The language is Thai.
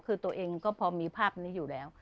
คือตัวเองก็พอมีภาพนี้อยู่แล้ว